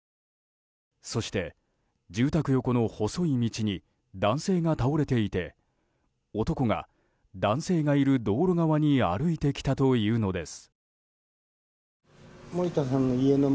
そして、住宅横の細い道に男性が倒れていて男が男性がいる道路側に歩いてきたというのです。